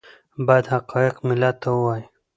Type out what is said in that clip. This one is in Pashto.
باید حقایق ملت ته ووایي